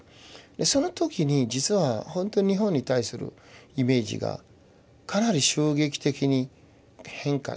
その時に実はほんと日本に対するイメージがかなり衝撃的に変化したんですよね。